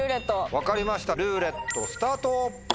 分かりましたルーレットスタート！